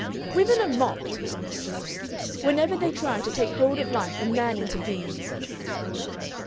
"Women are mocked," she said. "Whenever they try to take hold of life a man intervenes."